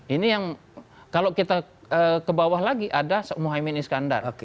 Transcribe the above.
ini yang kalau kita ke bawah lagi ada mohaimin iskandar